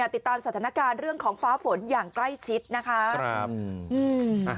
ติดตามสถานการณ์เรื่องของฟ้าฝนอย่างใกล้ชิดนะคะ